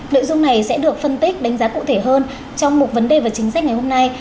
nội dung này sẽ được phân tích đánh giá cụ thể hơn trong mục vấn đề và chính sách ngày hôm nay